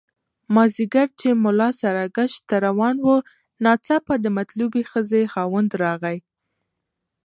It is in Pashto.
مازیګر چې ملا ساراګشت ته روان وو ناڅاپه د مطلوبې ښځې خاوند راغی.